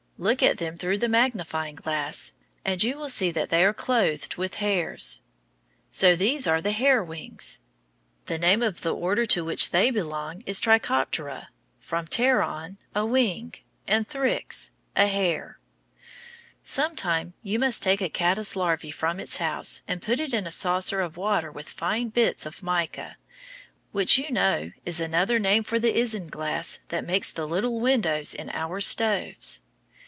Look at them through the magnifying glass, and you will see they are clothed with hairs. So these are the hair wings. The name of the order to which they belong is Trichoptera, from pteron, a wing, and thrix, a hair. Sometime you must take a caddice larva from its house and put it in a saucer of water with fine bits of mica, which you know is another name for the isinglass that makes the little windows in our stoves.